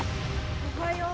おはよう。